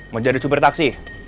menjadi supir taksi